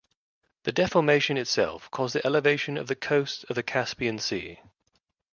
The deformation itself caused the elevation of the coasts of the Caspian Sea.